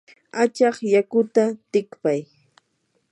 achaq yakuta tikpay.